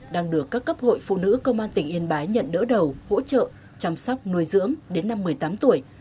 đang được các cấp hội phụ nữ công an tỉnh yên bái nhận đỡ đầu hỗ trợ chăm sóc nuôi dưỡng đến năm một mươi tám tuổi